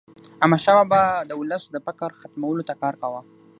احمدشاه بابا به د ولس د فقر ختمولو ته کار کاوه.